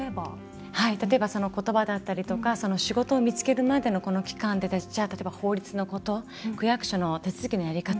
例えば言葉だったりとか仕事を見つけるまでの期間でじゃあ例えば法律のこと区役所の手続きのやり方